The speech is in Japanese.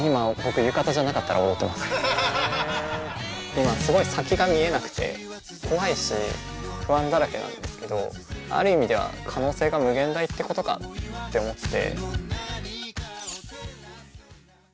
今すごい先が見えなくて怖いし不安だらけなんですけどある意味では可能性が無限大ってことかって思って。